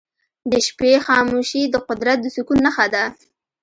د شپې خاموشي د قدرت د سکون نښه ده.